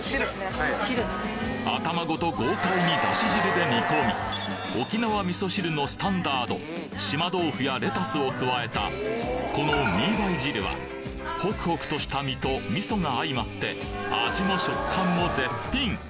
頭ごと豪快にだし汁で煮込み沖縄味噌汁のスタンダード島豆腐やレタスを加えたこのミーバイ汁はほくほくとした身と味噌があいまって味も食感も絶品！